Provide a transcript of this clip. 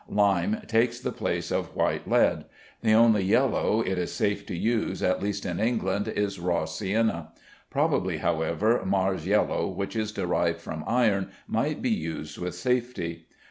Lime takes the place of white lead. The only yellow it is safe to use, at least in England, is raw sienna; probably, however, Mars yellow, which is derived from iron, might be used with safety.